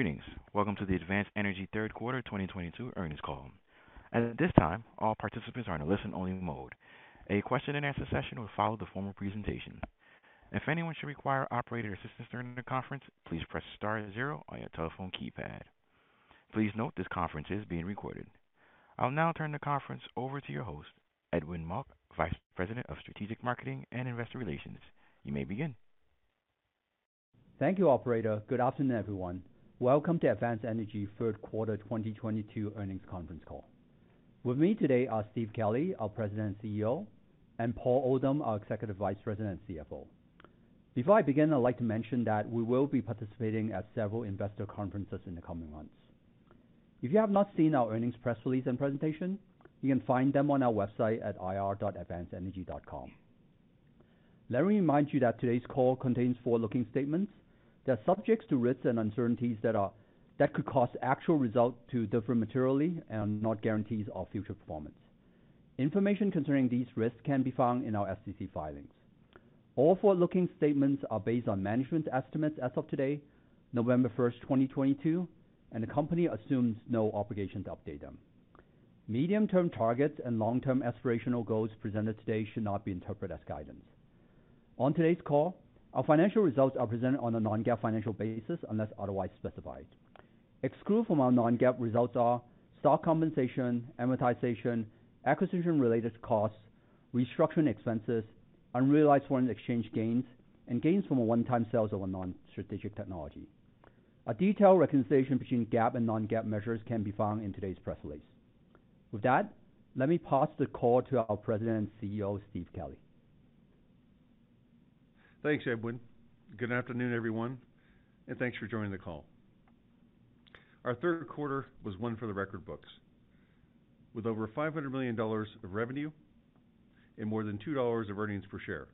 Greetings. Welcome to the Advanced Energy Third Quarter 2022 Earnings Call. As at this time, all participants are in a listen-only mode. A question-and-answer session will follow the formal presentation. If anyone should require operator assistance during the conference, please press star zero on your telephone keypad. Please note this conference is being recorded. I'll now turn the conference over to your host, Edwin Mok, Senior Vice President of Strategic Marketing and Investor Relations. You may begin. Thank you, operator. Good afternoon, everyone. Welcome to Advanced Energy Third Quarter 2022 Earnings Conference Call. With me today are Steve Kelley, our President and CEO, and Paul Oldham, our Executive Vice President and CFO. Before I begin, I'd like to mention that we will be participating at several investor conferences in the coming months. If you have not seen our earnings press release and presentation, you can find them on our website at ir.advancedenergy.com. Let me remind you that today's call contains forward-looking statements that are subject to risks and uncertainties that could cause actual results to differ materially and are not guarantees of future performance. Information concerning these risks can be found in our SEC filings. All forward-looking statements are based on management estimates as of today, November 1st, 2022, and the company assumes no obligation to update them. Medium-term targets and long-term aspirational goals presented today should not be interpreted as guidance. On today's call, our financial results are presented on a non-GAAP financial basis unless otherwise specified. Excluded from our non-GAAP results are stock compensation, amortization, acquisition-related costs, restructuring expenses, unrealized foreign exchange gains, and gains from a one-time sales of a non-strategic technology. A detailed reconciliation between GAAP and non-GAAP measures can be found in today's press release. With that, let me pass the call to our President and CEO, Steve Kelley. Thanks, Edwin. Good afternoon, everyone, and thanks for joining the call. Our third quarter was one for the record books, with over $500 million of revenue and more than $2 of earnings per share.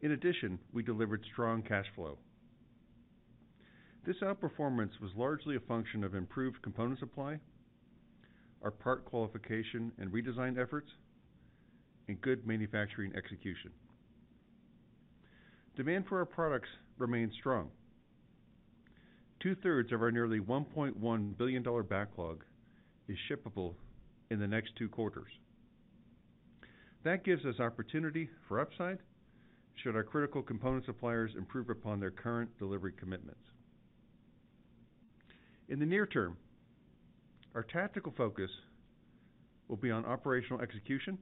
In addition, we delivered strong cash flow. This outperformance was largely a function of improved component supply, our part qualification and redesign efforts, and good manufacturing execution. Demand for our products remains strong. Two-thirds of our nearly $1.1 billion backlog is shippable in the next two quarters. That gives us opportunity for upside should our critical component suppliers improve upon their current delivery commitments. In the near term, our tactical focus will be on operational execution,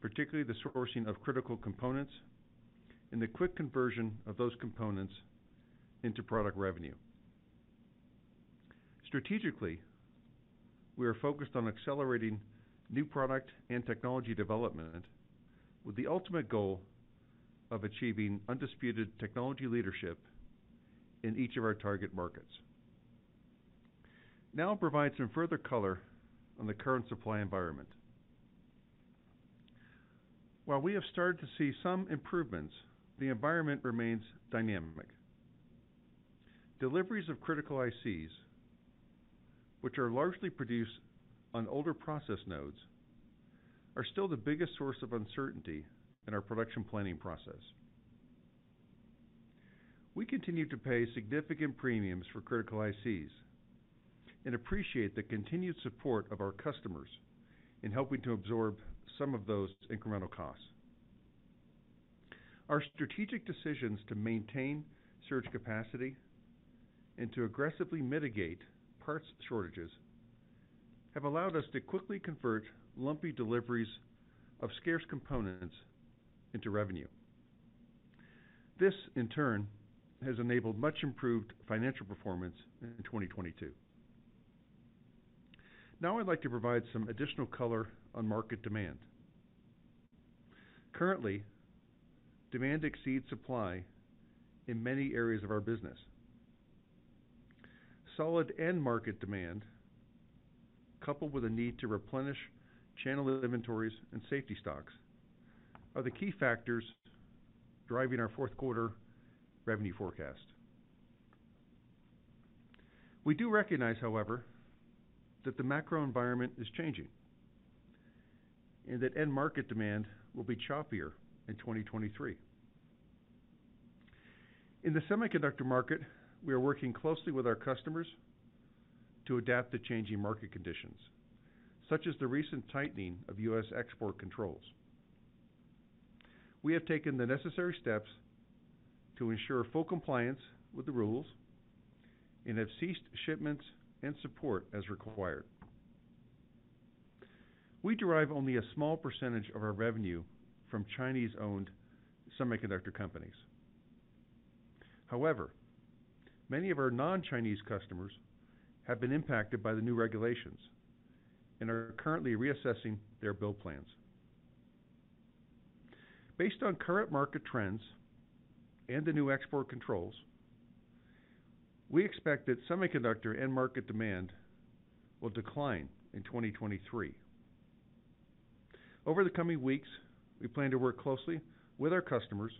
particularly the sourcing of critical components and the quick conversion of those components into product revenue. Strategically, we are focused on accelerating new product and technology development with the ultimate goal of achieving undisputed technology leadership in each of our target markets. Now I'll provide some further color on the current supply environment. While we have started to see some improvements, the environment remains dynamic. Deliveries of critical ICs, which are largely produced on older process nodes, are still the biggest source of uncertainty in our production planning process. We continue to pay significant premiums for critical ICs and appreciate the continued support of our customers in helping to absorb some of those incremental costs. Our strategic decisions to maintain surge capacity and to aggressively mitigate parts shortages have allowed us to quickly convert lumpy deliveries of scarce components into revenue. This, in turn, has enabled much improved financial performance in 2022. Now I'd like to provide some additional color on market demand. Currently, demand exceeds supply in many areas of our business. Solid end market demand, coupled with a need to replenish channel inventories and safety stocks, are the key factors driving our fourth quarter revenue forecast. We do recognize, however, that the macro environment is changing and that end market demand will be choppier in 2023. In the semiconductor market, we are working closely with our customers to adapt to changing market conditions, such as the recent tightening of U.S. export controls. We have taken the necessary steps to ensure full compliance with the rules and have ceased shipments and support as required. We derive only a small percentage of our revenue from Chinese-owned semiconductor companies. However, many of our non-Chinese customers have been impacted by the new regulations and are currently reassessing their build plans. Based on current market trends and the new export controls, we expect that semiconductor end market demand will decline in 2023. Over the coming weeks, we plan to work closely with our customers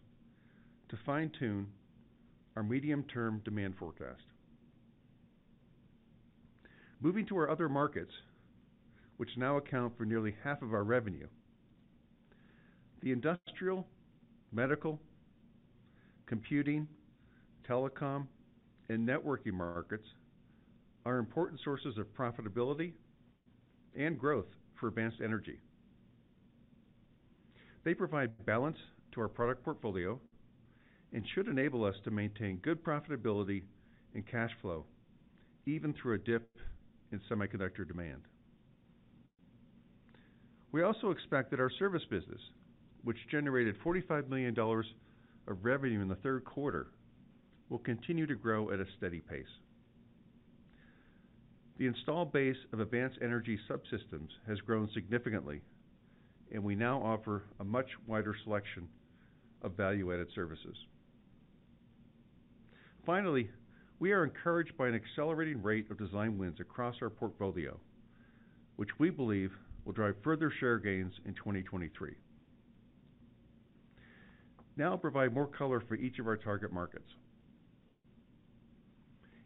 to fine-tune our medium-term demand forecast. Moving to our other markets, which now account for nearly half of our revenue. The industrial, medical, computing, telecom, and networking markets are important sources of profitability and growth for Advanced Energy. They provide balance to our product portfolio and should enable us to maintain good profitability and cash flow, even through a dip in semiconductor demand. We also expect that our service business, which generated $45 million of revenue in the third quarter, will continue to grow at a steady pace. The install base of Advanced Energy subsystems has grown significantly, and we now offer a much wider selection of value-added services. Finally, we are encouraged by an accelerating rate of design wins across our portfolio, which we believe will drive further share gains in 2023. Now I'll provide more color for each of our target markets.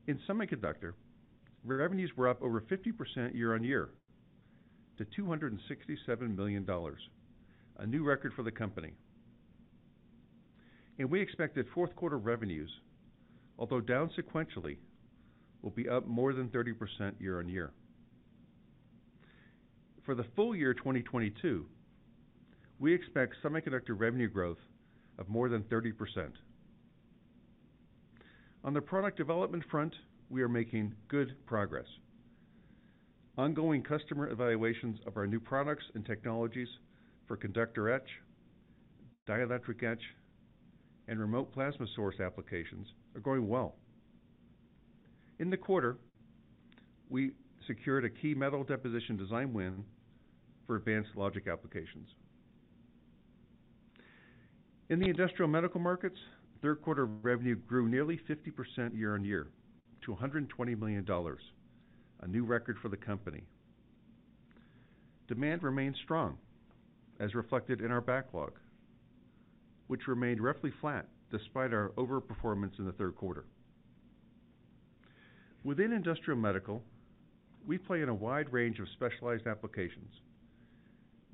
In semiconductor, where revenues were up over 50% year-on-year to $267 million, a new record for the company. We expect that fourth quarter revenues, although down sequentially, will be up more than 30% year-on-year. For the full year 2022, we expect semiconductor revenue growth of more than 30%. On the product development front, we are making good progress. Ongoing customer evaluations of our new products and technologies for conductor etch, dielectric etch, and remote plasma source applications are going well. In the quarter, we secured a key metal deposition design win for advanced logic applications. In the industrial medical markets, third quarter revenue grew nearly 50% year-on-year to $120 million, a new record for the company. Demand remains strong, as reflected in our backlog, which remained roughly flat despite our overperformance in the third quarter. Within industrial medical, we play in a wide range of specialized applications,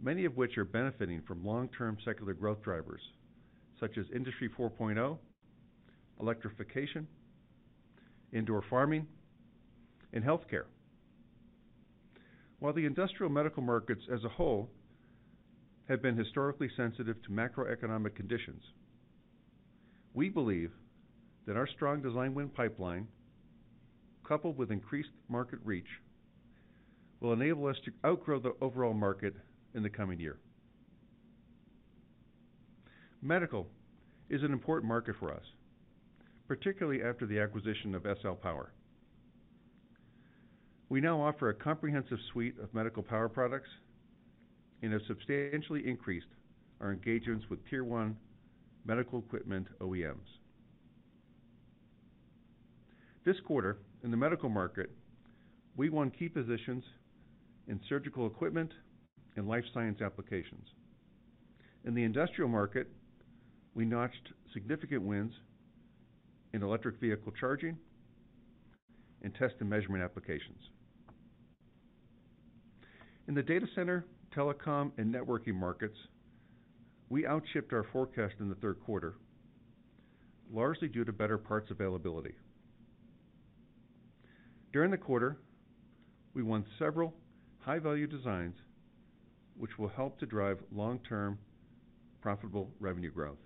many of which are benefiting from long-term secular growth drivers such as Industry 4.0, electrification, indoor farming, and healthcare. While the industrial medical markets as a whole have been historically sensitive to macroeconomic conditions, we believe that our strong design win pipeline, coupled with increased market reach, will enable us to outgrow the overall market in the coming year. Medical is an important market for us, particularly after the acquisition of SL Power. We now offer a comprehensive suite of medical power products and have substantially increased our engagements with tier one medical equipment OEMs. This quarter, in the medical market, we won key positions in surgical equipment and life science applications. In the industrial market, we notched significant wins in electric vehicle charging and test and measurement applications. In the data center, telecom, and networking markets, we out-shipped our forecast in the third quarter, largely due to better parts availability. During the quarter, we won several high-value designs, which will help to drive long-term profitable revenue growth.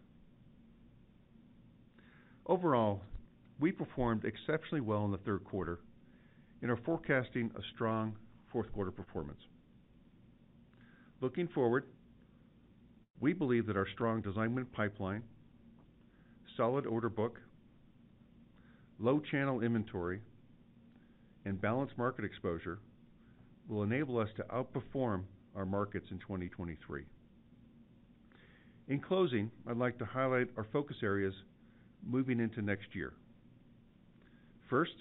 Overall, we performed exceptionally well in the third quarter and are forecasting a strong fourth quarter performance. Looking forward, we believe that our strong design win pipeline, solid order book, low channel inventory, and balanced market exposure will enable us to outperform our markets in 2023. In closing, I'd like to highlight our focus areas moving into next year. First,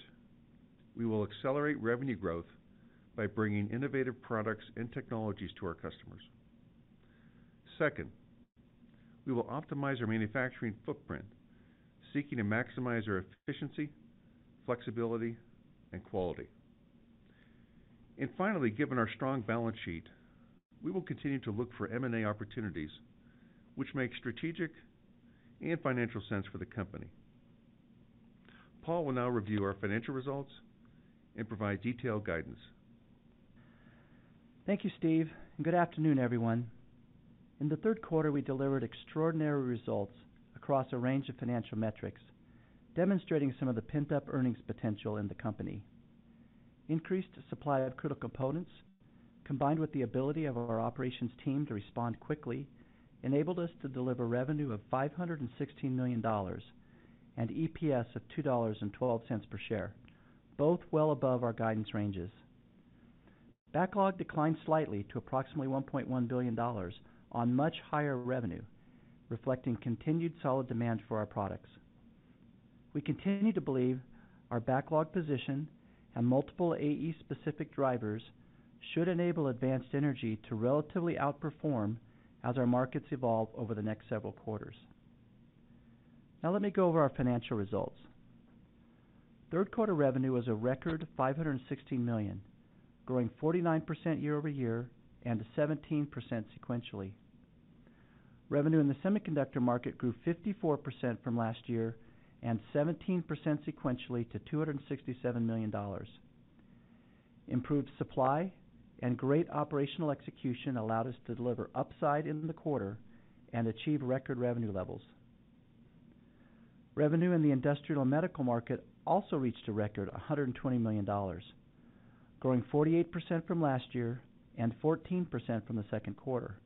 we will accelerate revenue growth by bringing innovative products and technologies to our customers. Second, we will optimize our manufacturing footprint, seeking to maximize our efficiency, flexibility, and quality. Finally, given our strong balance sheet, we will continue to look for M&A opportunities which make strategic and financial sense for the company. Paul will now review our financial results and provide detailed guidance. Thank you, Steve, and good afternoon, everyone. In the third quarter, we delivered extraordinary results across a range of financial metrics, demonstrating some of the pent-up earnings potential in the company. Increased supply of critical components, combined with the ability of our operations team to respond quickly, enabled us to deliver revenue of $516 million and EPS of $2.12 per share, both well above our guidance ranges. Backlog declined slightly to approximately $1.1 billion on much higher revenue, reflecting continued solid demand for our products. We continue to believe our backlog position and multiple AE-specific drivers should enable Advanced Energy to relatively outperform as our markets evolve over the next several quarters. Now let me go over our financial results. Third quarter revenue was a record $516 million, growing 49% year-over-year and 17% sequentially. Revenue in the semiconductor market grew 54% from last year and 17% sequentially to $267 million. Improved supply and great operational execution allowed us to deliver upside in the quarter and achieve record revenue levels. Revenue in the industrial medical market also reached a record $120 million, growing 48% from last year and 14% from the second quarter.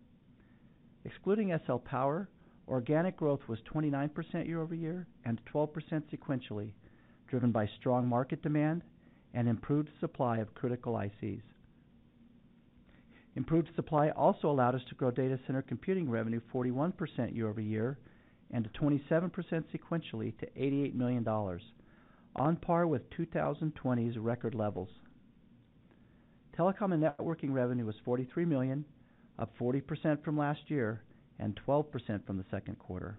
Excluding SL Power, organic growth was 29% year-over-year and 12% sequentially, driven by strong market demand and improved supply of critical ICs. Improved supply also allowed us to grow data center computing revenue 41% year-over-year and 27% sequentially to $88 million, on par with 2020's record levels. Telecom and networking revenue was $43 million, up 40% from last year and 12% from the second quarter.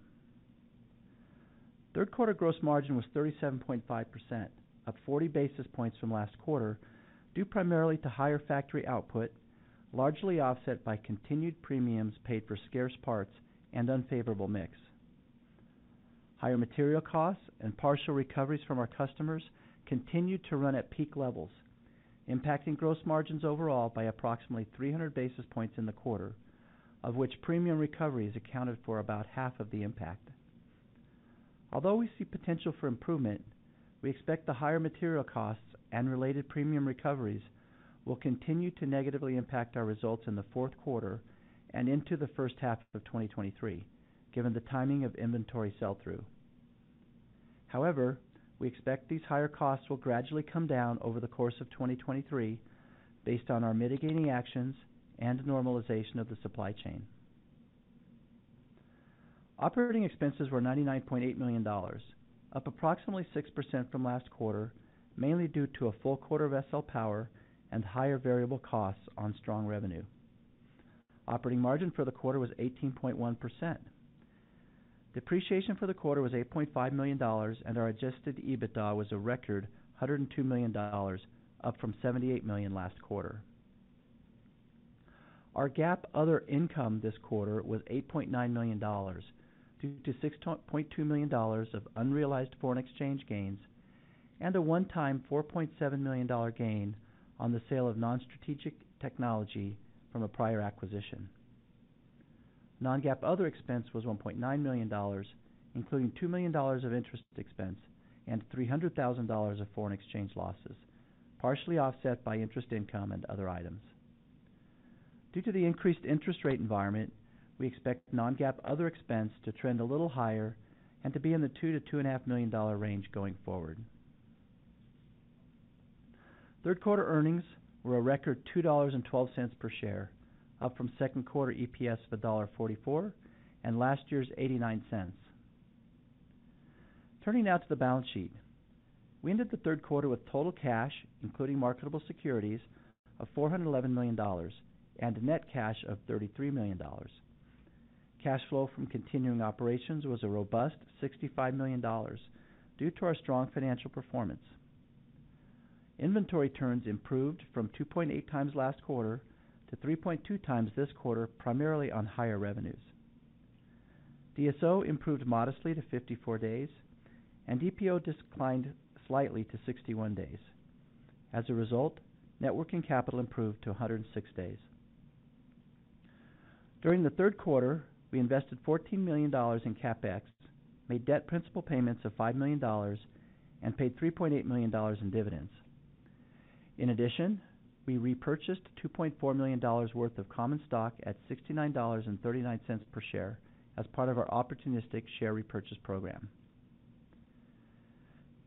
Third quarter gross margin was 37.5%, up 40 basis points from last quarter, due primarily to higher factory output, largely offset by continued premiums paid for scarce parts and unfavorable mix. Higher material costs and partial recoveries from our customers continued to run at peak levels, impacting gross margins overall by approximately 300 basis points in the quarter, of which premium recoveries accounted for about half of the impact. Although we see potential for improvement, we expect the higher material costs and related premium recoveries will continue to negatively impact our results in the fourth quarter and into the first half of 2023, given the timing of inventory sell-through. However, we expect these higher costs will gradually come down over the course of 2023 based on our mitigating actions and normalization of the supply chain. Operating expenses were $99.8 million, up approximately 6% from last quarter, mainly due to a full quarter of SL Power and higher variable costs on strong revenue. Operating margin for the quarter was 18.1%. Depreciation for the quarter was $8.5 million, and our Adjusted EBITDA was a record $102 million, up from $78 million last quarter. Our GAAP other income this quarter was $8.9 million, due to $6.2 million of unrealized foreign exchange gains and a one-time $4.7 million gain on the sale of non-strategic technology from a prior acquisition. Non-GAAP other expense was $1.9 million, including $2 million of interest expense and $300,000 of foreign exchange losses, partially offset by interest income and other items. Due to the increased interest rate environment, we expect non-GAAP other expense to trend a little higher and to be in the $2 million-$2.5 million range going forward. Third quarter earnings were a record $2.12 per share, up from second quarter EPS of $1.44 and last year's $0.89. Turning now to the balance sheet. We ended the third quarter with total cash, including marketable securities, of $411 million and net cash of $33 million. Cash flow from continuing operations was a robust $65 million due to our strong financial performance. Inventory turns improved from 2.8x last quarter to 3.2x this quarter, primarily on higher revenues. DSO improved modestly to 54 days, and DPO declined slightly to 61 days. As a result, net working capital improved to 106 days. During the third quarter, we invested $14 million in CapEx, made debt principal payments of $5 million, and paid $3.8 million in dividends. In addition, we repurchased $2.4 million worth of common stock at $69.39 per share as part of our opportunistic share repurchase program.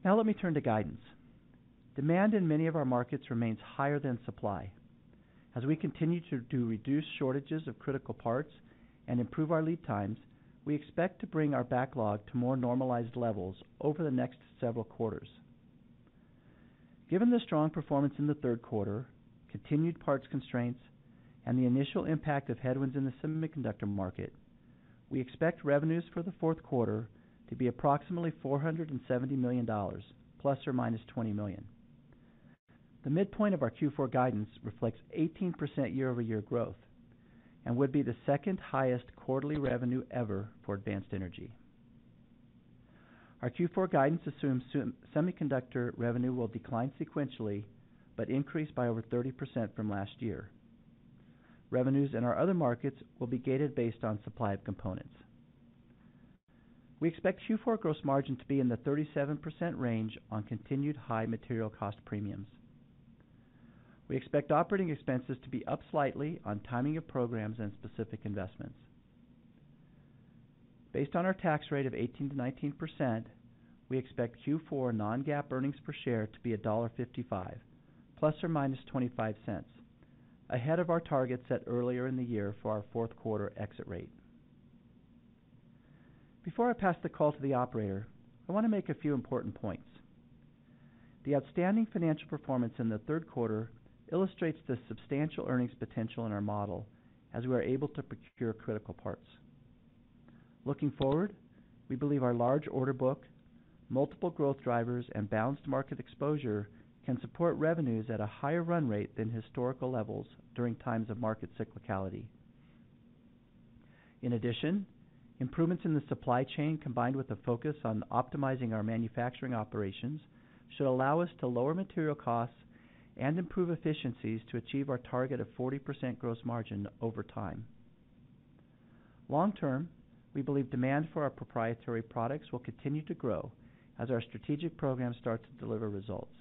Now let me turn to guidance. Demand in many of our markets remains higher than supply. As we continue to reduce shortages of critical parts and improve our lead times, we expect to bring our backlog to more normalized levels over the next several quarters. Given the strong performance in the third quarter, continued parts constraints, and the initial impact of headwinds in the semiconductor market, we expect revenues for the fourth quarter to be approximately $470 million ± $20 million. The midpoint of our Q4 guidance reflects 18% year-over-year growth and would be the second highest quarterly revenue ever for Advanced Energy. Our Q4 guidance assumes semiconductor revenue will decline sequentially but increase by over 30% from last year. Revenues in our other markets will be gated based on supply of components. We expect Q4 gross margin to be in the 37% range on continued high material cost premiums. We expect operating expenses to be up slightly on timing of programs and specific investments. Based on our tax rate of 18%-19%, we expect Q4 non-GAAP earnings per share to be $1.55 ± $0.25, ahead of our target set earlier in the year for our fourth quarter exit rate. Before I pass the call to the operator, I want to make a few important points. The outstanding financial performance in the third quarter illustrates the substantial earnings potential in our model as we are able to procure critical parts. Looking forward, we believe our large order book, multiple growth drivers, and balanced market exposure can support revenues at a higher run rate than historical levels during times of market cyclicality. In addition, improvements in the supply chain, combined with a focus on optimizing our manufacturing operations, should allow us to lower material costs and improve efficiencies to achieve our target of 40% gross margin over time. Long-term, we believe demand for our proprietary products will continue to grow as our strategic program starts to deliver results.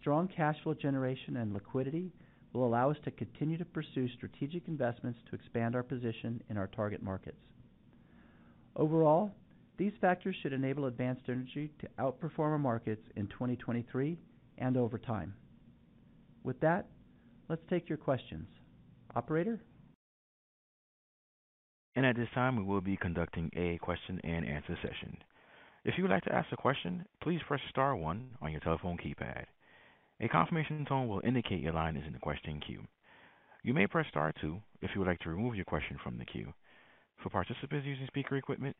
Strong cash flow generation and liquidity will allow us to continue to pursue strategic investments to expand our position in our target markets. Overall, these factors should enable Advanced Energy to outperform our markets in 2023 and over time. With that, let's take your questions. Operator? At this time, we will be conducting a question-and-answer session. If you would like to ask a question, please press star one on your telephone keypad. A confirmation tone will indicate your line is in the question queue. You may press star two if you would like to remove your question from the queue. For participants using speaker equipment,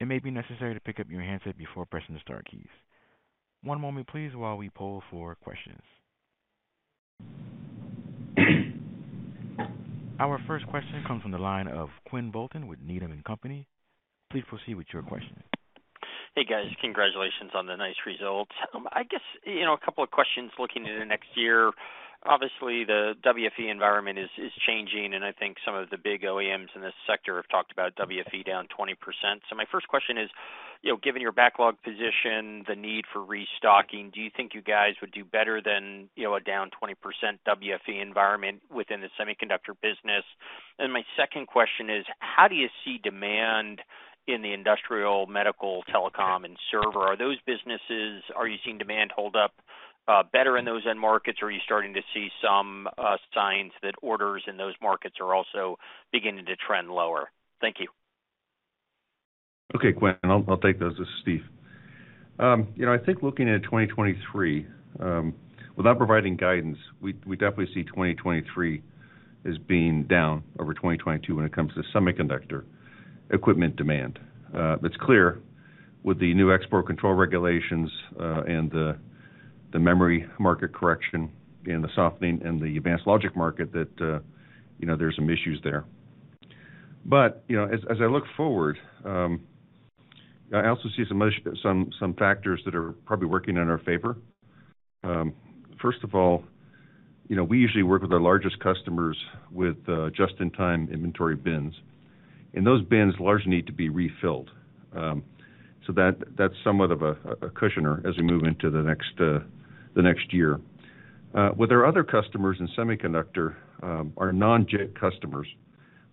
it may be necessary to pick up your handset before pressing the star keys. One moment please while we poll for questions. Our first question comes from the line of Quinn Bolton with Needham & Company. Please proceed with your question. Hey, guys. Congratulations on the nice results. I guess, you know, a couple of questions looking into next year. Obviously, the WFE environment is changing, and I think some of the big OEMs in this sector have talked about WFE down 20%. My first question is, you know, given your backlog position, the need for restocking, do you think you guys would do better than, you know, a down 20% WFE environment within the semiconductor business? My second question is, how do you see demand in the industrial, medical, telecom, and server? Are you seeing demand hold up better in those end markets? Are you starting to see some signs that orders in those markets are also beginning to trend lower? Thank you. Okay, Quinn, I'll take those. This is Steve. You know, I think looking at 2023, without providing guidance, we definitely see 2023 as being down over 2022 when it comes to semiconductor equipment demand. It's clear with the new export control regulations, and the memory market correction and the softening in the advanced logic market that, you know, there's some issues there. But, you know, as I look forward, I also see some factors that are probably working in our favor. First of all, you know, we usually work with our largest customers with just-in-time inventory bins, and those bins largely need to be refilled. That's somewhat of a cushioner as we move into the next year. With our other customers in semiconductor, our non-JIT customers,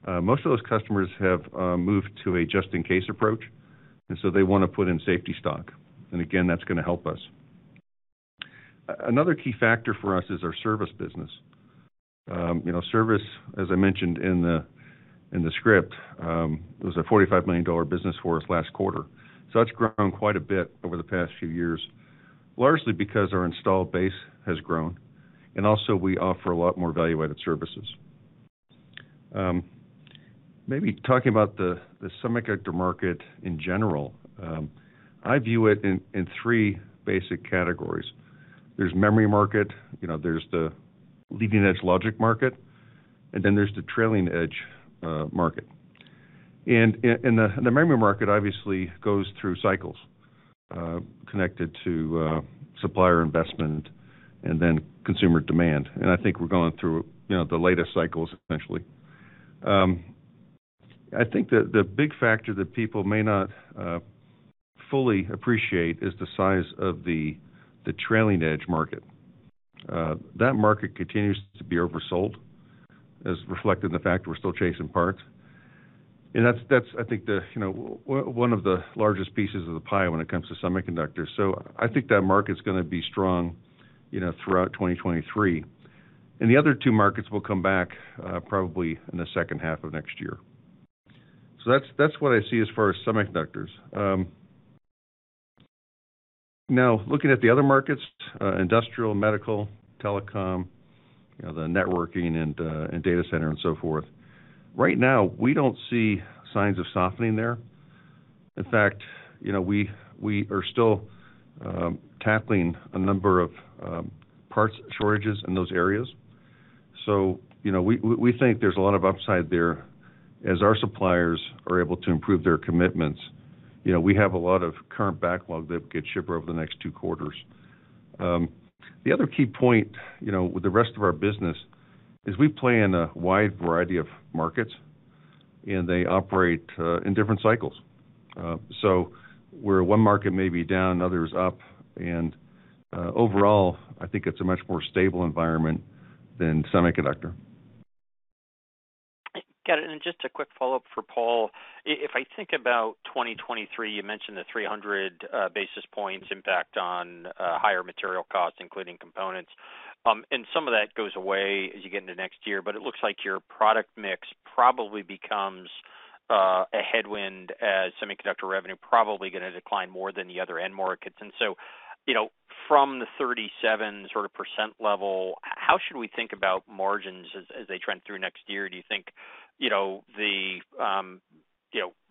most of those customers have moved to a just in case approach, and so they wanna put in safety stock. Again, that's gonna help us. Another key factor for us is our service business. You know, service, as I mentioned in the script, it was a $45 million business for us last quarter. It's grown quite a bit over the past few years, largely because our installed base has grown, and also we offer a lot more value-added services. Maybe talking about the semiconductor market in general, I view it in three basic categories. There's memory market, you know, there's the leading-edge logic market, and then there's the trailing edge market. The memory market obviously goes through cycles, connected to supplier investment and then consumer demand. I think we're going through, you know, the latest cycles, essentially. I think the big factor that people may not fully appreciate is the size of the trailing edge market. That market continues to be oversold, as reflected in the fact that we're still chasing parts. That's, I think, you know, one of the largest pieces of the pie when it comes to semiconductors. I think that market's gonna be strong, you know, throughout 2023. The other two markets will come back, probably in the second half of next year. That's what I see as far as semiconductors. Now, looking at the other markets, industrial, medical, telecom, you know, the networking and data center and so forth. Right now, we don't see signs of softening there. In fact, you know, we are still tackling a number of parts shortages in those areas. So, you know, we think there's a lot of upside there as our suppliers are able to improve their commitments. You know, we have a lot of current backlog that would get shipped over the next two quarters. The other key point, you know, with the rest of our business is we play in a wide variety of markets, and they operate in different cycles. So where one market may be down, another is up. Overall, I think it's a much more stable environment than semiconductor. Got it. Just a quick follow-up for Paul. If I think about 2023, you mentioned the 300 basis points impact on higher material costs, including components. Some of that goes away as you get into next year, but it looks like your product mix probably becomes A headwind as semiconductor revenue probably going to decline more than the other end markets. You know, from the 37% sort of level, how should we think about margins as they trend through next year? Do you think, you know, the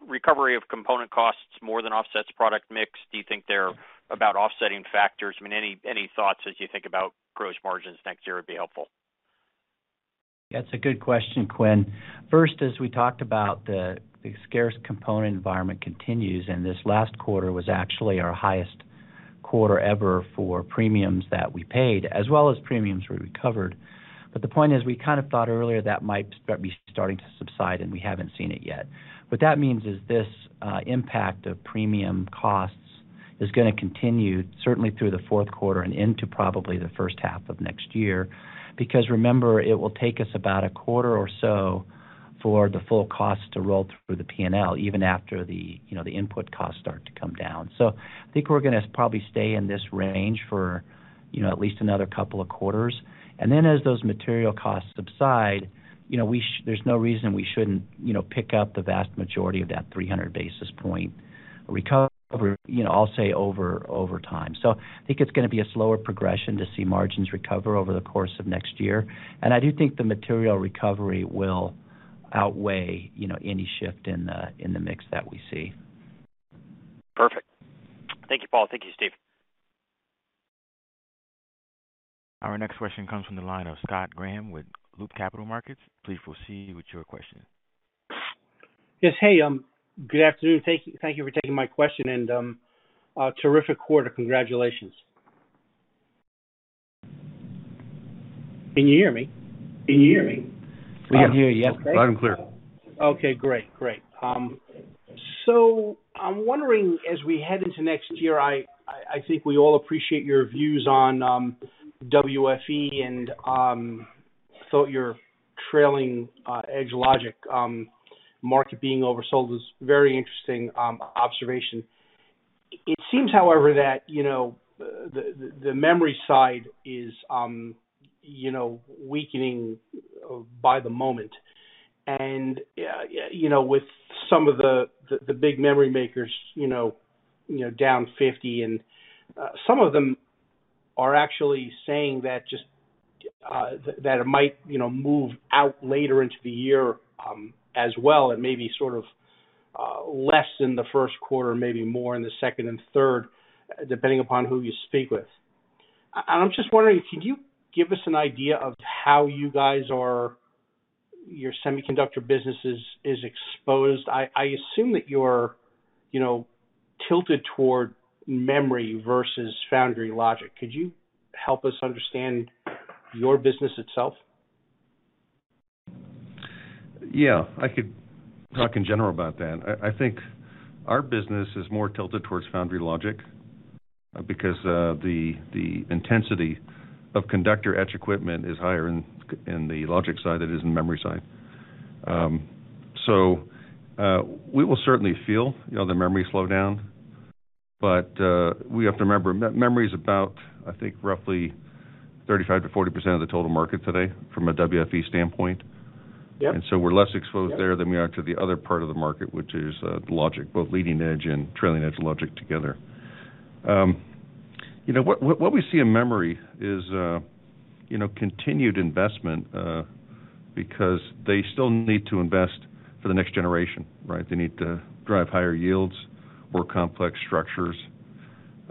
recovery of component costs more than offsets product mix? Do you think they're about offsetting factors? I mean, any thoughts as you think about gross margins next year would be helpful. That's a good question, Quinn. First, as we talked about, the scarce component environment continues, and this last quarter was actually our highest quarter ever for premiums that we paid, as well as premiums we recovered. The point is, we kind of thought earlier that might start to subside and we haven't seen it yet. What that means is this, impact of premium costs is gonna continue certainly through the fourth quarter and into probably the first half of next year. Remember, it will take us about a quarter or so for the full cost to roll through the PNL, even after, you know, the input costs start to come down. I think we're gonna probably stay in this range for, you know, at least another couple of quarters. Then as those material costs subside, you know, we, there's no reason we shouldn't, you know, pick up the vast majority of that 300 basis point recovery, you know, I'll say over time. I think it's gonna be a slower progression to see margins recover over the course of next year. I do think the material recovery will outweigh, you know, any shift in the mix that we see. Perfect. Thank you, Paul. Thank you, Steve. Our next question comes from the line of Scott Graham with Loop Capital Markets. Please proceed with your question. Yes. Hey, good afternoon. Thank you for taking my question, and terrific quarter. Congratulations. Can you hear me? We can hear you. Yes. Loud and clear. Okay, great. I'm wondering, as we head into next year, I think we all appreciate your views on WFE and I thought your trailing-edge logic market being oversold was very interesting observation. It seems, however, that you know, the memory side is you know, weakening by the moment. You know, with some of the big memory makers, you know, you're down 50%, and some of them are actually saying that just that it might you know, move out later into the year, as well, and maybe sort of less in the first quarter, maybe more in the second and third, depending upon who you speak with. I'm just wondering, can you give us an idea of how your semiconductor business is exposed? I assume that you're, you know, tilted toward memory versus foundry logic. Could you help us understand your business itself? Yeah. I could talk in general about that. I think our business is more tilted towards foundry logic because the intensity of conductor etch equipment is higher in the logic side than it is in memory side. So we will certainly feel, you know, the memory slow down. We have to remember, memory is about, I think, roughly 35%-40% of the total market today from a WFE standpoint. Yeah. We're less exposed there than we are to the other part of the market, which is the logic, both leading edge and trailing edge logic together. You know, what we see in memory is you know, continued investment because they still need to invest for the next generation, right? They need to drive higher yields, more complex structures.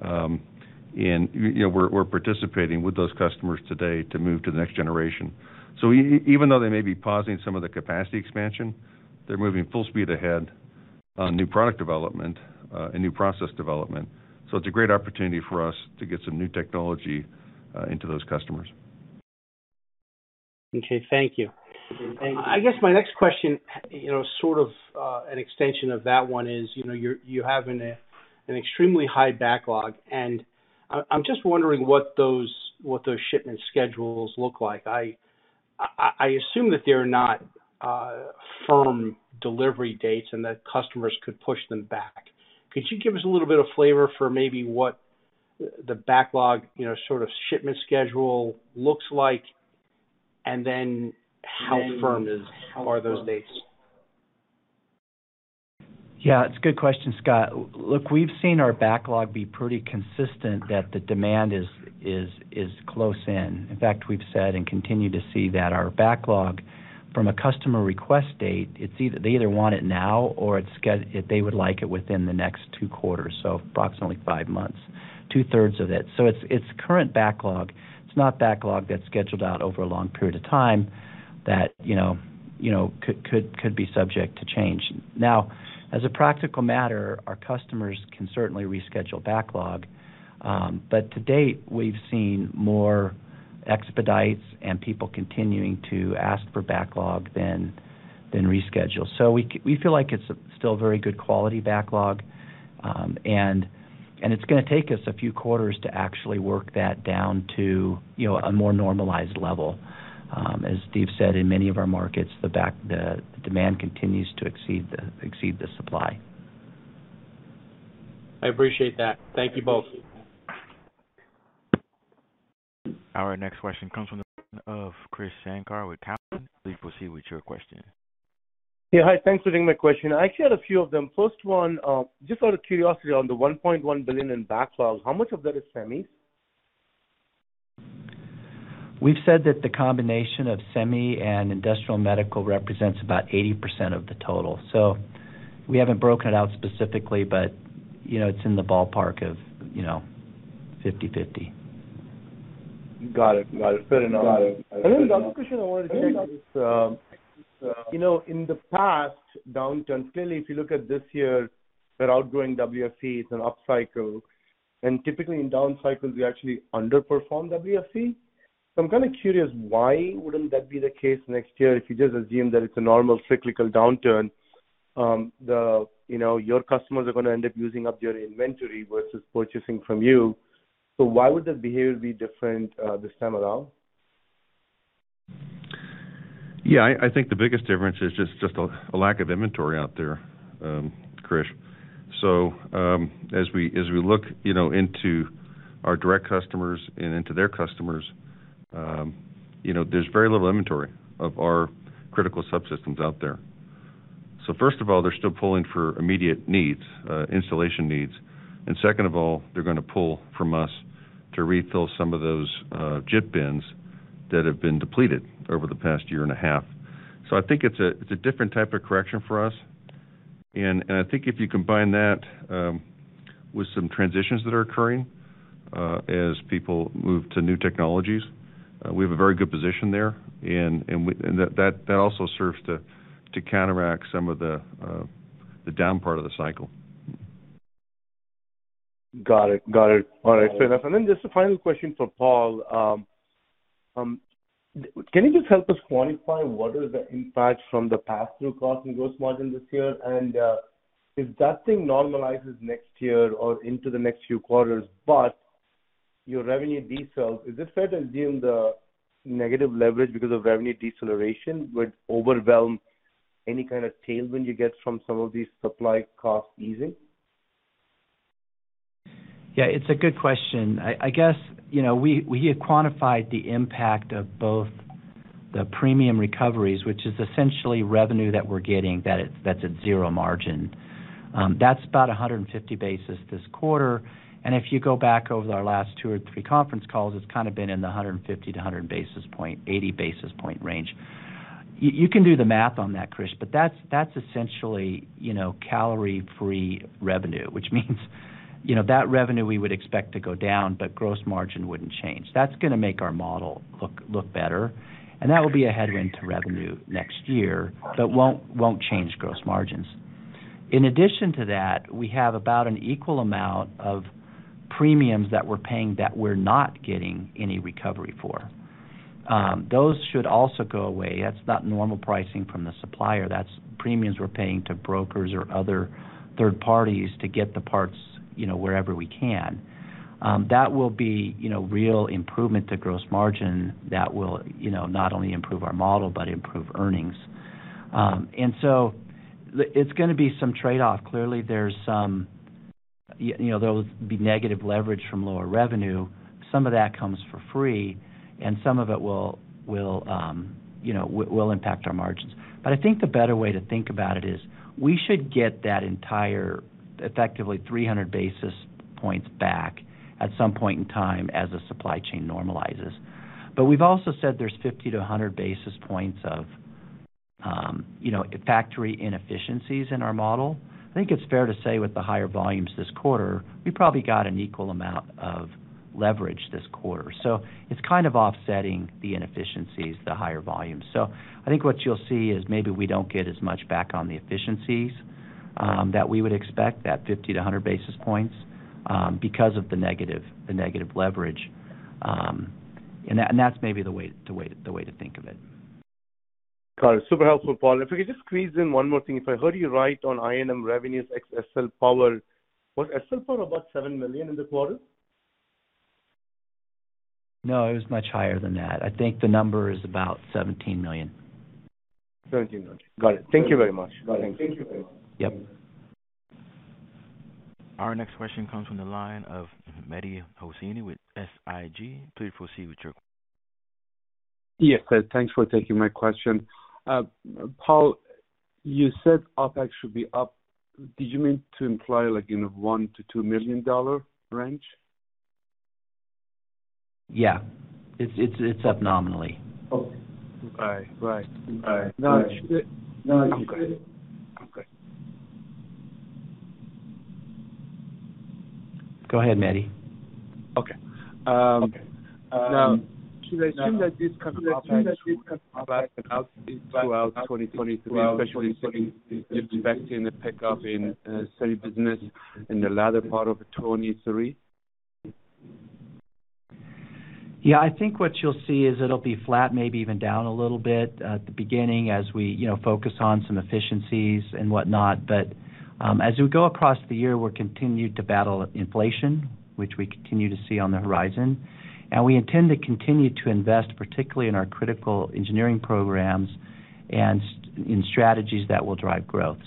You know, we're participating with those customers today to move to the next generation. Even though they may be pausing some of the capacity expansion, they're moving full speed ahead on new product development and new process development. It's a great opportunity for us to get some new technology into those customers. Okay, thank you. I guess my next question, you know, sort of, an extension of that one is, you know, you have an extremely high backlog, and I'm just wondering what those shipment schedules look like. I assume that they're not firm delivery dates and that customers could push them back. Could you give us a little bit of flavor for maybe what the backlog, you know, sort of shipment schedule looks like? And then how firm are those dates? Yeah, it's a good question, Scott. Look, we've seen our backlog be pretty consistent that the demand is close in. In fact, we've said and continue to see that our backlog from a customer request date, it's either they want it now or they would like it within the next 2 quarters, so approximately 5 months, two-thirds of it. So it's current backlog. It's not backlog that's scheduled out over a long period of time that you know could be subject to change. Now, as a practical matter, our customers can certainly reschedule backlog. But to date, we've seen more expedites and people continuing to ask for backlog than reschedule. So we feel like it's still very good quality backlog. It's gonna take us a few quarters to actually work that down to, you know, a more normalized level. As Steve said, in many of our markets, the demand continues to exceed the supply. I appreciate that. Thank you both. Our next question comes from the line of Krish Sankar with Cowen. Please proceed with your question. Yeah, hi. Thanks for taking my question. I actually had a few of them. First one, just out of curiosity on the $1.1 billion in backlog, how much of that is semis? We've said that the combination of semi and industrial medical represents about 80% of the total. We haven't broken it out specifically, but, you know, it's in the ballpark of, you know, 50/50. Got it. Fair enough. Then the other question I wanted to ask is, you know, in the past downturns, clearly, if you look at this year, the outgoing WFE, it's an upcycle, and typically in down cycles we actually underperform WFE. I'm kind of curious, why wouldn't that be the case next year? If you just assume that it's a normal cyclical downturn, you know, your customers are gonna end up using up your inventory versus purchasing from you. Why would the behavior be different, this time around? Yeah, I think the biggest difference is a lack of inventory out there, Krish. As we look, you know, into our direct customers and into their customers, you know, there's very little inventory of our critical subsystems out there. First of all, they're still pulling for immediate needs, installation needs. Second of all, they're gonna pull from us to refill some of those, JIT bins that have been depleted over the past year and a half. I think it's a different type of correction for us. I think if you combine that with some transitions that are occurring, as people move to new technologies, we have a very good position there. That also serves to counteract some of the down part of the cycle. Got it. All right. Fair enough. Just a final question for Paul. Can you just help us quantify what is the impact from the passthrough cost and gross margin this year? If that thing normalizes next year or into the next few quarters, but your revenue decels, is it fair to assume the negative leverage because of revenue deceleration would overwhelm any kind of tailwind you get from some of these supply cost easing? Yeah, it's a good question. I guess, you know, we had quantified the impact of both the premium recoveries, which is essentially revenue that we're getting that's at zero margin. That's about 150 basis points this quarter. If you go back over our last two or three conference calls, it's kind of been in the 150 to 100 basis points, 80 basis points range. You can do the math on that, Krish, but that's essentially, you know, calorie-free revenue, which means, you know, that revenue we would expect to go down, but gross margin wouldn't change. That's gonna make our model look better, and that will be a headwind to revenue next year, but won't change gross margins. In addition to that, we have about an equal amount of premiums that we're paying that we're not getting any recovery for. Those should also go away. That's not normal pricing from the supplier. That's premiums we're paying to brokers or other third parties to get the parts, you know, wherever we can. That will be, you know, real improvement to gross margin that will, you know, not only improve our model, but improve earnings. And so it's gonna be some trade-off. Clearly, there's some you know, there will be negative leverage from lower revenue. Some of that comes for free and some of it will, you know, will impact our margins. But I think the better way to think about it is we should get that entire effectively 300 basis points back at some point in time as the supply chain normalizes. We've also said there's 50 to 100 basis points of, you know, factory inefficiencies in our model. I think it's fair to say with the higher volumes this quarter, we probably got an equal amount of leverage this quarter. It's kind of offsetting the inefficiencies, the higher volumes. I think what you'll see is maybe we don't get as much back on the efficiencies, that we would expect, that 50 to 100 basis points, because of the negative leverage. And that's maybe the way to think of it. Got it. Super helpful, Paul. If we could just squeeze in one more thing. If I heard you right on INM revenues ex SL Power. Was SL Power about $7 million in the quarter? No, it was much higher than that. I think the number is about $17 million. $17 million. Got it. Thank you very much. Got it. Thank you. Yep. Our next question comes from the line of Mehdi Hosseini with SIG. Please proceed with your question. Yes. Thanks for taking my question. Paul, you said OPEX should be up. Did you mean to imply like in a $1 million-$2 million range? Yeah. It's up nominally. Okay. Right. Got you. Good. Okay. Go ahead, Mehdi. Okay. Now should I assume that this kind of OpEx throughout 2023, especially since you're expecting a pickup in steady business in the latter part of 2023? Yeah. I think what you'll see is it'll be flat, maybe even down a little bit at the beginning as we, you know, focus on some efficiencies and whatnot. As we go across the year, we'll continue to battle inflation, which we continue to see on the horizon. We intend to continue to invest, particularly in our critical engineering programs and in strategies that will drive growth.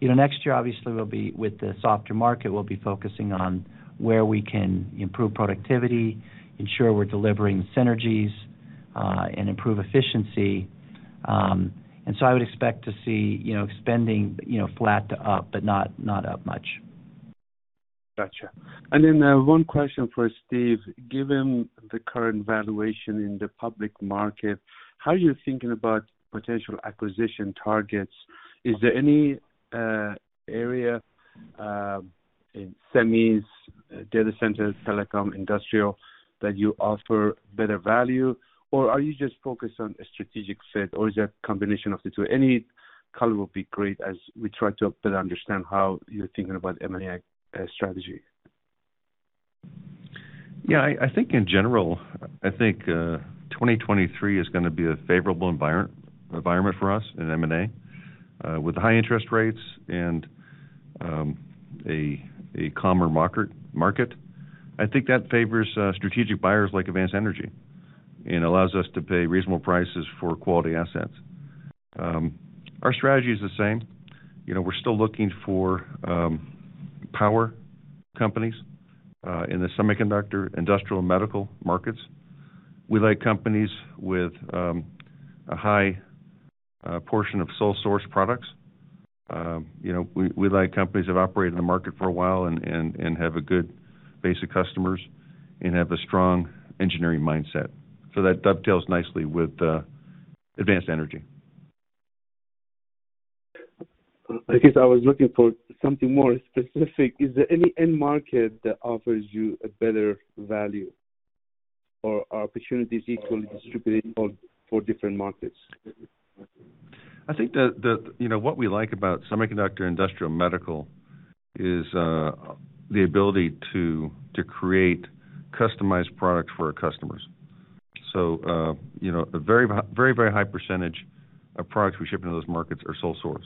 You know, next year obviously with the softer market, we'll be focusing on where we can improve productivity, ensure we're delivering synergies, and improve efficiency. I would expect to see, you know, spending, you know, flat to up, but not up much. Got you. One question for Steve. Given the current valuation in the public market, how are you thinking about potential acquisition targets? Is there any area in semis, data centers, telecom, industrial that you offer better value? Or are you just focused on a strategic set or is that combination of the two? Any color will be great as we try to better understand how you're thinking about M&A strategy. Yeah. I think in general 2023 is gonna be a favorable environment for us in M&A with high interest rates and a calmer market. I think that favors strategic buyers like Advanced Energy and allows us to pay reasonable prices for quality assets. Our strategy is the same. You know, we're still looking for power companies in the semiconductor, industrial, medical markets. We like companies with a high portion of sole source products. You know, we like companies that operate in the market for a while and have a good base of customers and have a strong engineering mindset. That dovetails nicely with Advanced Energy. I guess I was looking for something more specific. Is there any end market that offers you a better value or are opportunities equally distributed for different markets? I think you know, what we like about semiconductor, industrial, medical is the ability to create customized products for our customers. You know, a very high percentage of products we ship into those markets are sole-source,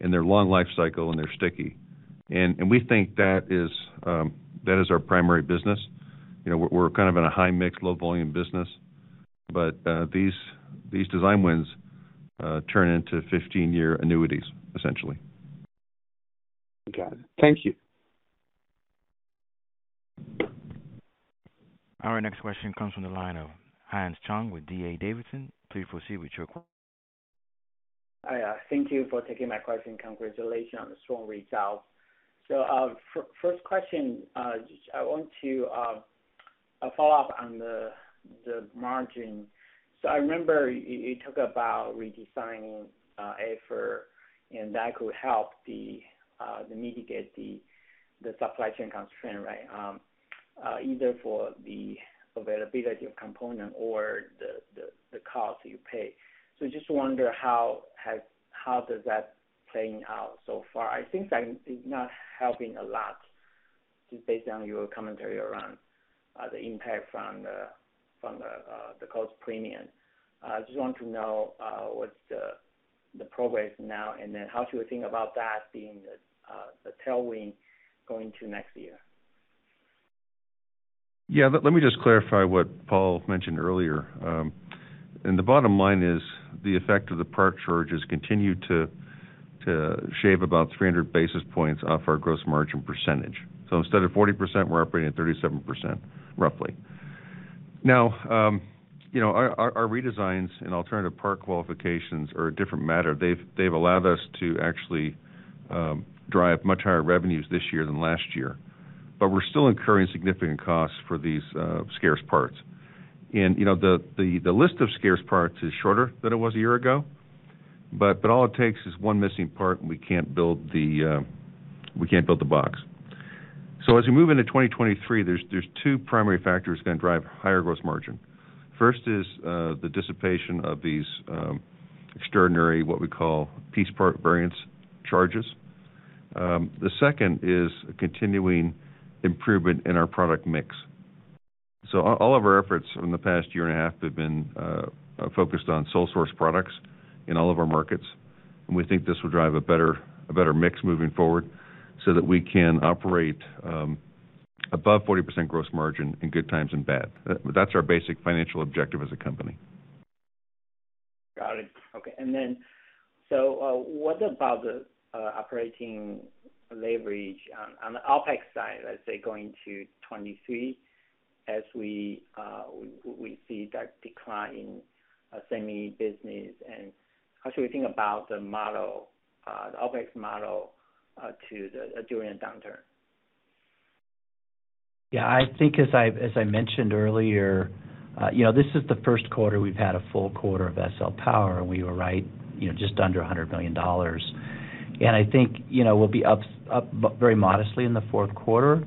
and they're long-life-cycle, and they're sticky. We think that is our primary business. You know, we're kind of in a high-mix, low-volume business, but these design wins turn into 15-year annuities, essentially. Got it. Thank you. Our next question comes from the line of Hans Chung with D.A. Davidson. Please proceed with your question. Hi. Thank you for taking my question. Congratulations on the strong results. First question, I want to follow up on the margin. I remember you talk about redesigning effort, and that could help to mitigate the supply chain constraint, right? Either for the availability of component or the cost you pay. Just wonder how does that playing out so far? I think that is not helping a lot just based on your commentary around the impact from the cost premium. Just want to know what's the progress now and then how do you think about that being the tailwind going to next year? Yeah. Let me just clarify what Paul mentioned earlier. The bottom line is the effect of the part charges continue to shave about 300 basis points off our gross margin percentage. Instead of 40%, we're operating at 37%, roughly. Now, you know, our redesigns and alternative part qualifications are a different matter. They've allowed us to actually drive much higher revenues this year than last year. We're still incurring significant costs for these scarce parts. You know, the list of scarce parts is shorter than it was a year ago, but all it takes is one missing part, and we can't build the box. As we move into 2023, there's two primary factors gonna drive higher gross margin. First is the dissipation of these extraordinary what we call piece part variance charges. The second is a continuing improvement in our product mix. All of our efforts from the past year and a half have been focused on sole source products in all of our markets, and we think this will drive a better mix moving forward so that we can operate above 40% gross margin in good times and bad. That's our basic financial objective as a company. Got it. Okay. What about the operating leverage on the OpEx side, let's say, going to 2023 as we see that decline in semi business, and how should we think about the model, the OpEx model, during a downturn? Yeah. I think as I mentioned earlier, you know, this is the first quarter we've had a full quarter of SL Power, and we were right, you know, just under $100 million. I think, you know, we'll be up very modestly in the fourth quarter.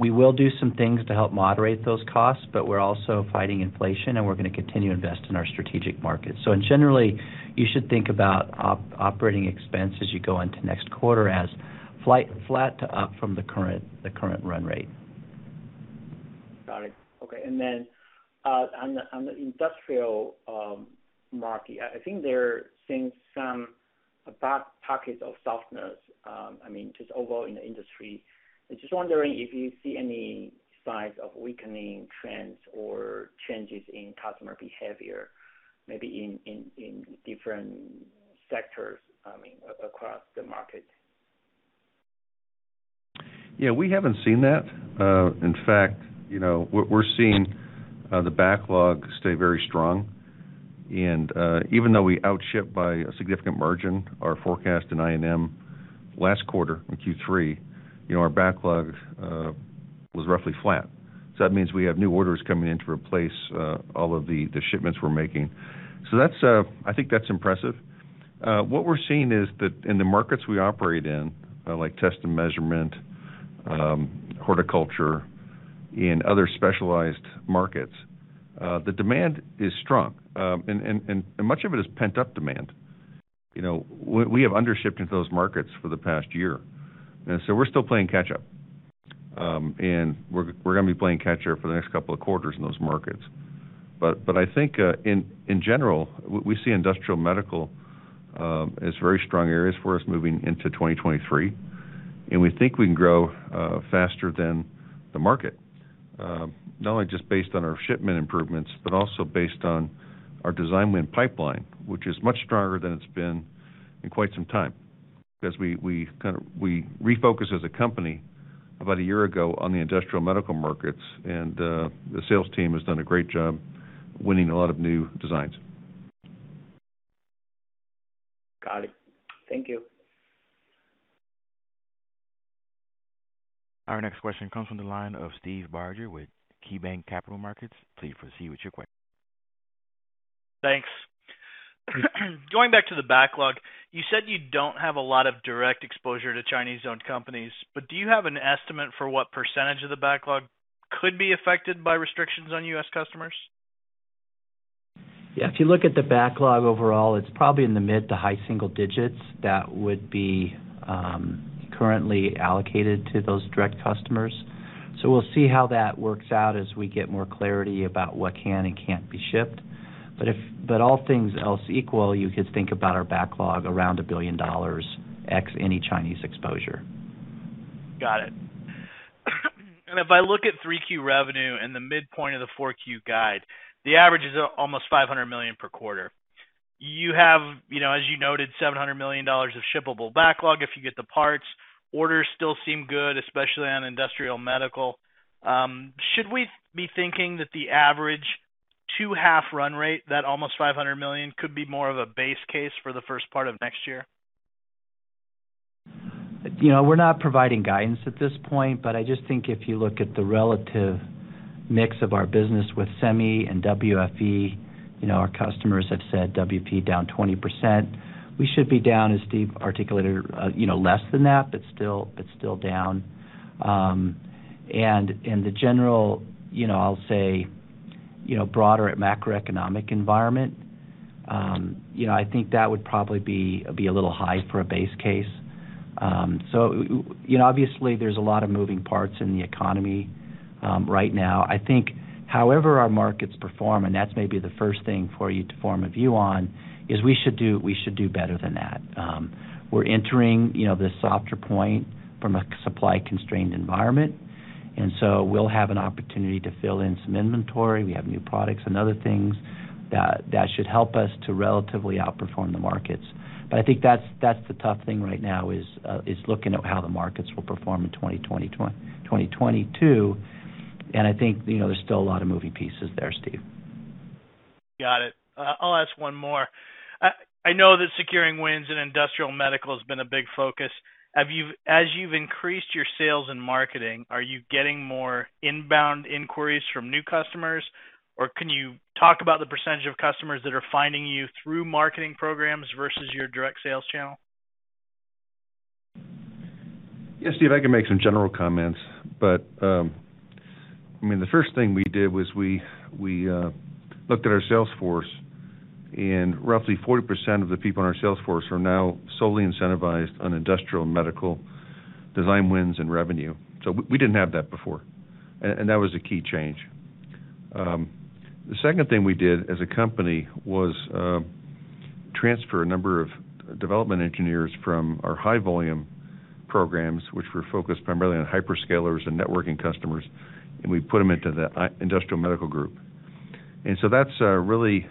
We will do some things to help moderate those costs, but we're also fighting inflation, and we're gonna continue to invest in our strategic markets. Generally, you should think about operating expense as you go into next quarter as flat to up from the current run rate. Got it. Okay. On the industrial market, I think there seems some bad pockets of softness, I mean, just overall in the industry. I'm just wondering if you see any signs of weakening trends or changes in customer behavior, maybe in different sectors, I mean, across the market. Yeah, we haven't seen that. In fact, you know, what we're seeing, the backlog stay very strong. Even though we outship by a significant margin, our forecast in INM last quarter, in Q3, you know, our backlog was roughly flat. That means we have new orders coming in to replace all of the shipments we're making. That's, I think that's impressive. What we're seeing is that in the markets we operate in, like test and measurement, horticulture and other specialized markets, the demand is strong. And much of it is pent-up demand. You know, we have undershipped into those markets for the past year, and so we're still playing catch up. And we're gonna be playing catch up for the next couple of quarters in those markets. I think in general we see industrial medical as very strong areas for us moving into 2023. We think we can grow faster than the market not only just based on our shipment improvements but also based on our design win pipeline, which is much stronger than it's been in quite some time. Because we kind of refocused as a company about a year ago on the industrial medical markets and the sales team has done a great job winning a lot of new designs. Got it. Thank you. Our next question comes from the line of Steve Barger with KeyBanc Capital Markets. Please proceed with your question. Thanks. Going back to the backlog, you said you don't have a lot of direct exposure to Chinese-owned companies, but do you have an estimate for what percentage of the backlog could be affected by restrictions on U.S. customers? Yeah. If you look at the backlog overall, it's probably in the mid- to high single digits that would be currently allocated to those direct customers. We'll see how that works out as we get more clarity about what can and can't be shipped. All things else equal, you could think about our backlog around $1 billion ex any Chinese exposure. Got it. If I look at 3Q revenue and the midpoint of the 4Q guide, the average is almost $500 million per quarter. You have, you know, as you noted, $700 million of shippable backlog if you get the parts. Orders still seem good, especially on industrial medical. Should we be thinking that the average 2H run rate, that almost $500 million, could be more of a base case for the first part of next year? You know, we're not providing guidance at this point, but I just think if you look at the relative mix of our business with Semi and WFE, you know, our customers have said WP down 20%. We should be down, as Steve articulated, you know, less than that, but still down. And the general, you know, I'll say, you know, broader, the macroeconomic environment, you know, I think that would probably be a little high for a base case. So you know, obviously there's a lot of moving parts in the economy, right now. I think however our markets perform, and that's maybe the first thing for you to form a view on, is we should do better than that. We're entering, you know, the softer point from a supply-constrained environment, and so we'll have an opportunity to fill in some inventory. We have new products and other things that should help us to relatively outperform the markets. But I think that's the tough thing right now is looking at how the markets will perform in 2022. I think, you know, there's still a lot of moving pieces there, Steve. Got it. I'll ask one more. I know that securing wins in industrial medical has been a big focus. As you've increased your sales and marketing, are you getting more inbound inquiries from new customers? Or can you talk about the percentage of customers that are finding you through marketing programs versus your direct sales channel? Yeah, Steve, I can make some general comments, but, I mean, the first thing we did was we looked at our sales force, and roughly 40% of the people in our sales force are now solely incentivized on industrial and medical design wins and revenue. We didn't have that before. That was a key change. The second thing we did as a company was transfer a number of development engineers from our high volume programs, which were focused primarily on hyperscalers and networking customers, and we put them into the industrial medical group. That's really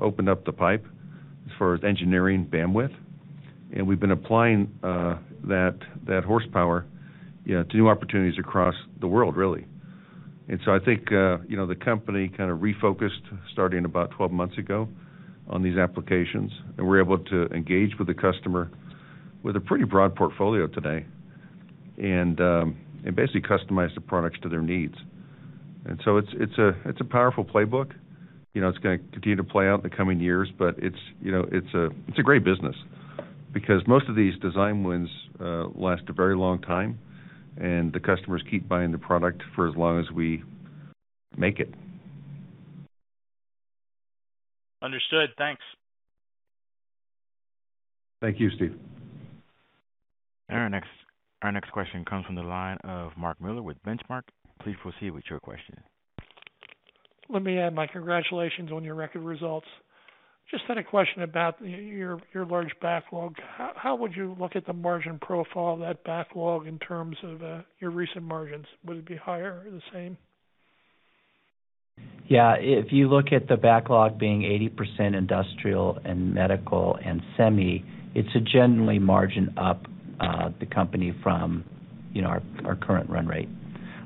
opened up the pipe as far as engineering bandwidth. We've been applying that horsepower, you know, to new opportunities across the world, really. I think, you know, the company kind of refocused starting about 12 months ago on these applications, and we're able to engage with the customer with a pretty broad portfolio today and basically customize the products to their needs. It's a powerful playbook. You know, it's gonna continue to play out in the coming years, but it's a great business because most of these design wins last a very long time, and the customers keep buying the product for as long as we make it. Understood. Thanks. Thank you, Steve. Our next question comes from the line of Mark Miller with Benchmark. Please proceed with your question. Let me add my congratulations on your record results. Just had a question about your large backlog. How would you look at the margin profile of that backlog in terms of your recent margins? Would it be higher or the same? Yeah. If you look at the backlog being 80% industrial and medical and semi, it's to generally margin up the company from, you know, our current run rate.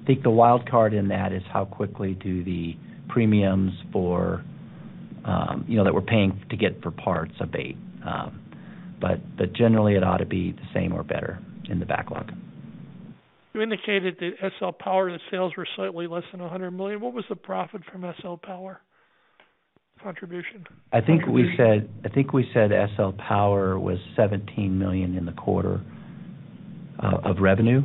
I think the wild card in that is how quickly do the premiums for, you know, that we're paying to get for parts abate. Generally it ought to be the same or better in the backlog. You indicated that SL Power sales were slightly less than $100 million. What was the profit from SL Power contribution? I think we said SL Power was $17 million in the quarter of revenue.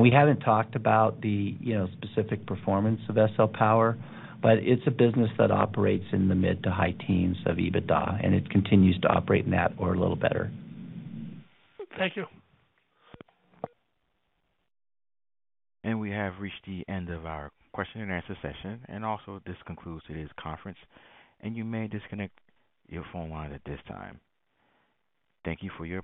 We haven't talked about the, you know, specific performance of SL Power, but it's a business that operates in the mid to high teens of EBITDA, and it continues to operate in that or a little better. Thank you. We have reached the end of our question-and-answer session, and also this concludes today's conference, and you may disconnect your phone line at this time. Thank you for your participation.